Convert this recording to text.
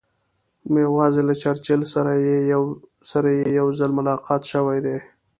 یوازې له چرچل سره یې یو ځل ملاقات شوی دی.